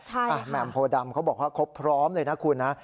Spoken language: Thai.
ใช่ค่ะแหม่มโพดำเขาบอกว่าพร้อมเลยนะคุณ